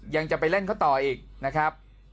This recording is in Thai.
ยังจะไปเล่นเขาต่ออีกนะครับ